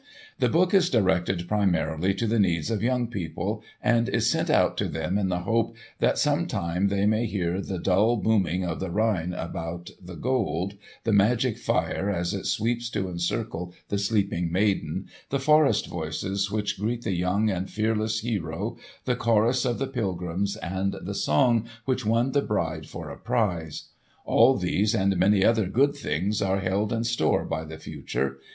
The book is directed primarily to the needs of young people, and is sent out to them in the hope that some time they may hear the dull booming of the Rhine about the Gold, the magic fire as it sweeps to encircle the sleeping maiden, the forest voices which greet the young and fearless hero, the chorus of the pilgrims, and the song which won the bride for a prize. All these and many other good things are held in store by the future.